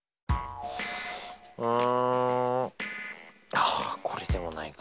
あはあこれでもないか。